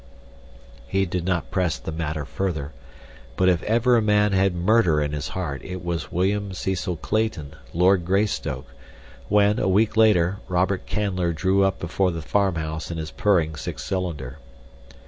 He did not press the matter further, but if ever a man had murder in his heart it was William Cecil Clayton, Lord Greystoke, when, a week later, Robert Canler drew up before the farmhouse in his purring six cylinder.